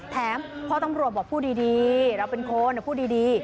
พ่อตำรวจบอกพูดดีเราเป็นคนพูดดี